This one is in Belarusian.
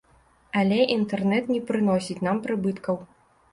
Але інтэрнэт не прыносіць нам прыбыткаў.